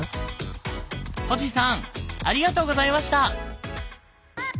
星さんありがとうございました！